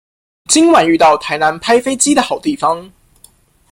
今晚遇到台南拍飛機的好地方